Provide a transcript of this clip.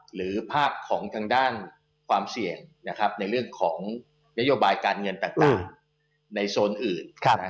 หรือภาพของทางด้านความเสี่ยงในเรื่องของนโยบายการเงินต่างในโซนอื่น